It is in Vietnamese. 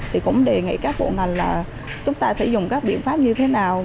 thì cũng đề nghị các bộ ngành là chúng ta phải dùng các biện pháp như thế nào